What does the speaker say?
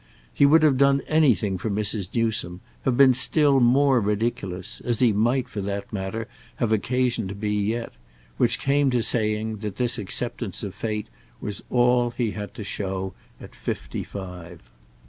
He would have done anything for Mrs. Newsome, have been still more ridiculous—as he might, for that matter, have occasion to be yet; which came to saying that this acceptance of fate was all he had to show at fifty five.